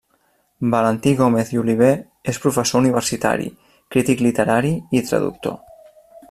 Valentí Gómez i Oliver és professor universitari, crític literari i traductor.